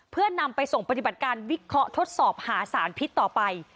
เพื่อนำไปส่งปฏิบัติการวิเคราะห์ทดสอบหาสารพิษต่อไป